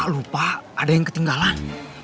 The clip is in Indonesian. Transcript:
lupa ada yang ketinggalan